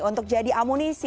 untuk jadi amunisi